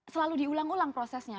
selalu diulang ulang prosesnya